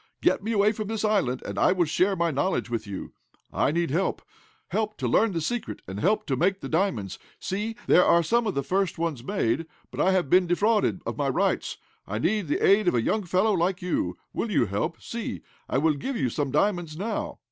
Get me away from the island and I will share my knowledge with you I need help help to learn the secret and help to make the diamonds see, there are some of the first ones made, but I have been defrauded of my rights I need the aid of a young fellow like you. Will you help? See, I'll give you some diamonds now.